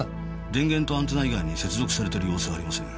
電源とアンテナ以外に接続されてる様子はありません。